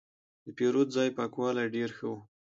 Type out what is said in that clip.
د پیرود ځای پاکوالی ډېر ښه و.